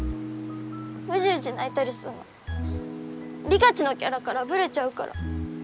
ウジウジ泣いたりすんのリカチのキャラからブレちゃうから。